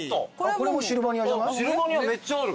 これもシルバニアじゃない？